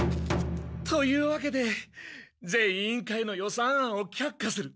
というわけで全委員会の予算案を却下する。